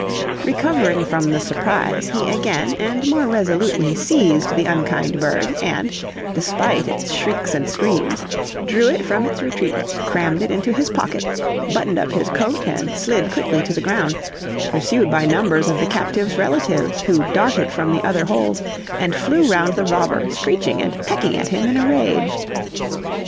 Recovering from the surprise, he again and more resolutely seized the unkind bird, and, despite its shrieks and screams, drew it from its retreat, crammed it into his pocket, buttoned up his coat, and slid quickly to the ground, pursued by numbers of the captive's relations, who darted from the other holes and flew round the robber, screeching and pecking at him in a rage.